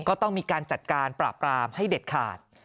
ก็ต้องมีการจัดการปราบรามให้เด็ดขาด